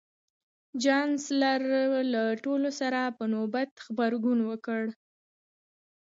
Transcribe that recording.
چانسلر له ټولو سره په نوبت روغبړ وکړ